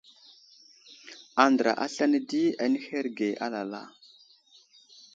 Andra aslane di anuherge alala.